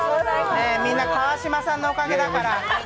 みんな川島さんのおかげだから。